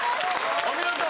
お見事！